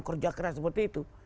kerja keras seperti itu